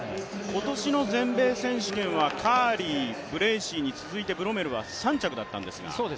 今年の全米選手権はカーリー、ブレーシーに続いてブロメルは３着だったんですが。